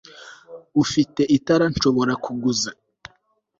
ufite itara nshobora kuguza